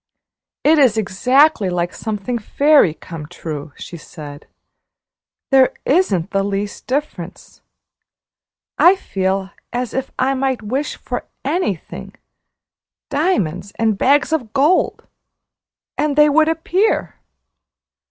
"It is exactly like something fairy come true," she said; "there isn't the least difference. I feel as if I might wish for anything diamonds and bags of gold and they would appear!